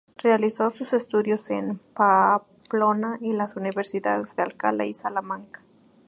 Realizó sus estudios en Pamplona y las universidades de Alcalá y Salamanca.